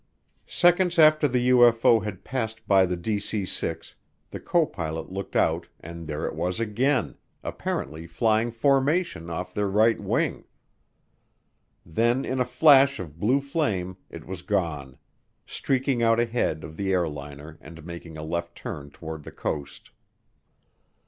Seconds after the UFO had passed by the DC 6, the copilot looked out and there it was again, apparently flying formation off their right wing. Then in a flash of blue flame it was gone streaking out ahead of the airliner and making a left turn toward the coast.